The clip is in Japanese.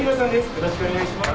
よろしくお願いします。